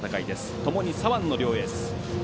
ともに左腕の両エース。